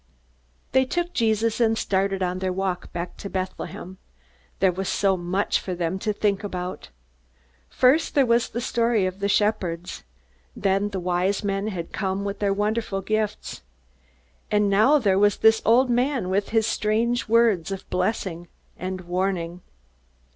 They took Jesus, and started on their walk back to Bethlehem. There was so much for them to think about. First there was the story of the shepherds. Then the Wise Men had come with their wonderful gifts. And now there was this old man with his strange words of blessing and warning.